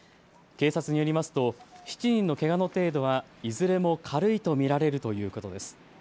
警察によりますと７人のけがの程度はいずれも軽いと見られるということです。